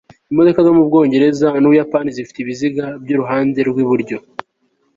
imodoka zo mubwongereza nu buyapani zifite ibiziga byuruhande rwiburyo